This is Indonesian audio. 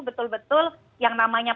betul betul yang namanya